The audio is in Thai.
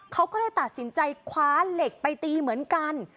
เขาก็เลยตัดสินใจคว้าเหล็กไปตีเหมือนกัน